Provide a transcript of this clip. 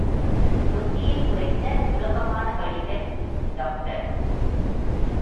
தொந்தியைக் குறைக்க சுலபமான வழிகள் டாக்டர்.